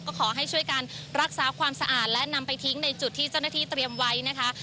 ก็ขอให้ช่วยกันรักษาความสะอาดและนำไปทิ้งในจุดที่เจ้าหน้าที่เตรียมไว้นะคะ